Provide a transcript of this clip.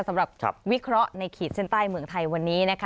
วิเคราะห์ในขีดเส้นใต้เมืองไทยวันนี้นะคะ